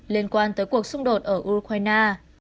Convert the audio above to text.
liên quan tới cuộc xung đột ở ukraine